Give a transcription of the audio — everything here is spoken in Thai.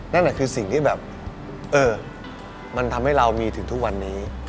นั่นคือสิ่งที่แบบเออมันทำให้เรามีถึงทุกวันนี้